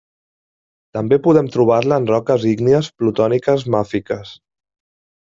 També podem trobar-la en roques ígnies plutòniques màfiques.